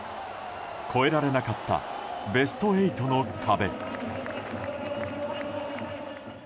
超えられなかったベスト８の壁。